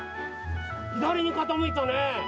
左に傾いていたね。